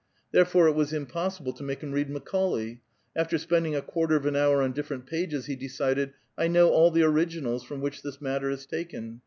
Therefore, it was impossible to xnake him read Macaulay ; after spending a quarter of an Liour on different pages, he decided : I know all tlie originals from which this matter is taken.